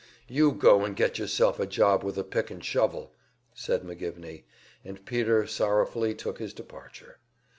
"You go and get yourself a job with a pick and shovel," said McGivney, and Peter sorrowfully took his departure.